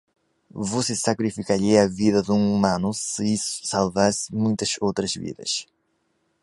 Você sacrificaria a vida de um humano se isso salvasse muitas outras vidas?